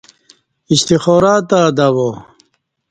استخارہ تہ دوا